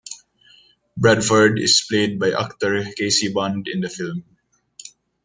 Bradford is played by actor Casey Bond in the film.